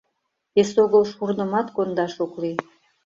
Эсогыл шурнымат кондаш ок лий.